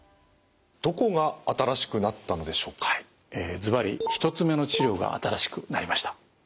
ずばり１つ目の治療が新しくなりました。